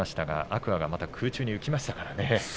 天空海が空中に浮きました。